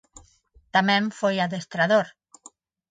Tamén foi adestrador.